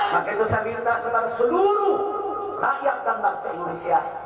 maka itu saya minta kepada seluruh rakyat dan bangsa indonesia